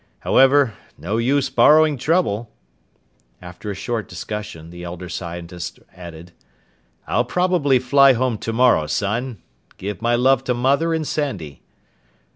However, no use borrowing trouble." After a short discussion, the elder scientist added, "I'll probably fly home tomorrow, son. Give my love to Mother and Sandy."